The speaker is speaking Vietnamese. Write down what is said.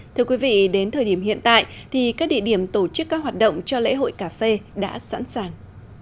thưa quý vị đến thời điểm hiện tại thì các địa điểm tổ chức các hoạt động cho lễ hội cà phê đã sẵn sàng